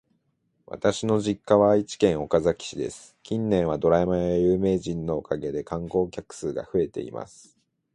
私の実家は愛知県岡崎市です。近年はドラマや有名人のおかげで観光客数が増えています。